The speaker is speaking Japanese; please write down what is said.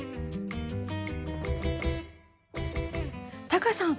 タカさん